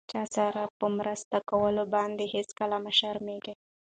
چاسره په مرسته کولو باندې هيڅکله مه شرميږم!